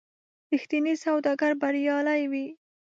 رښتینی سوداګر بریالی وي.